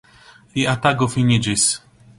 Lia tago finiĝis.